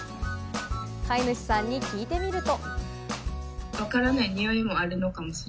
飼い主さんに聞いてみると。